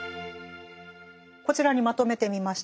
こちらにまとめてみました。